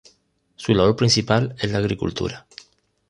Su labor principal es la agricultura.